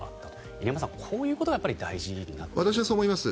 入山さん、こういうことが大事になってきますね。